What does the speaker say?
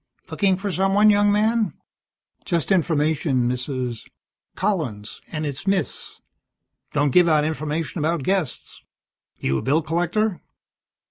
"Looking for someone, young man?" "Just information, Mrs. " "Collins, and it's Miss. Don't give out information about guests. You a bill collector?"